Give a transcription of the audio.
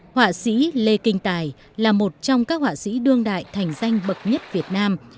họa sĩ lê kinh tài là một trong các họa sĩ đương đại thành danh bậc nhất việt nam